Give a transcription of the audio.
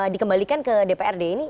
dikembalikan ke dprd ini